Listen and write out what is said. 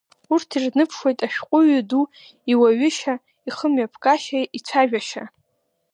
Урҭ ирныԥшуеит ашәҟәыҩҩы ду иуаҩышьа, ихымҩаԥгашьа, ицәажәашьа.